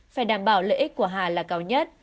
phải đảm bảo lợi ích của hà là cao nhất